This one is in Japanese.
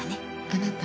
あなた。